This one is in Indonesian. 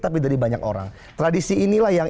tapi dari banyak orang tradisi inilah yang